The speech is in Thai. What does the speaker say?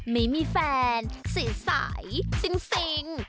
ไม่มีแฟนใสซิง